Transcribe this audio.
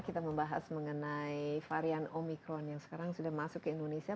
kita membahas mengenai varian omikron yang sekarang sudah masuk ke indonesia